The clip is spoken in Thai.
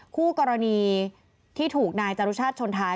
คู่กรณีที่ถูกนายจรุชาติชนท้าย